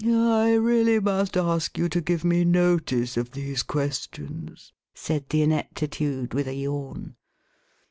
" I really must ask you to give me notice of these questions," said the Ineptitude, with a yawn.